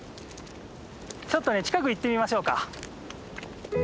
ちょっとね近く行ってみましょうか。